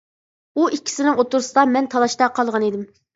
بۇ ئىككىسىنىڭ ئوتتۇرىسىدا مەن تالاشتا قالغانىدىم.